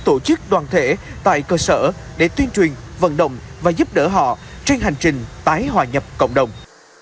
tổ chức đoàn thể tại cơ sở để tuyên truyền vận động và giúp đỡ họ trên hành trình tái hòa nhập cộng đồng